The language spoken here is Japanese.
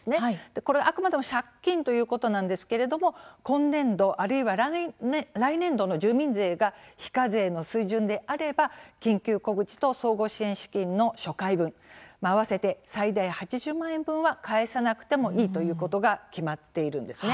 これは、あくまで借金ということなんですが今年度あるいは来年度の住民税が非課税の水準であれば緊急小口と総合支援資金の初回分合わせて最大８０万円分は返さなくてもいいということが決まっているんです。